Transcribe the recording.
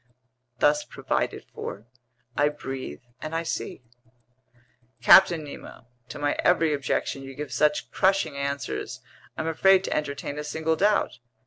Thus provided for, I breathe and I see." "Captain Nemo, to my every objection you give such crushing answers, I'm afraid to entertain a single doubt.